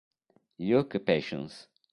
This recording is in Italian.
Luke Patience